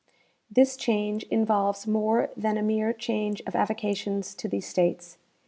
25 This change involves more than a mere change of avocations to these states.